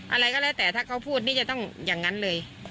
อะไรก็แล้วแต่ถ้าเขาพูดนี่จะต้องอย่างนั้นเลย